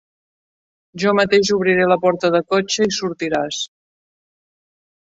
Jo mateix obriré la porta de cotxe i sortiràs.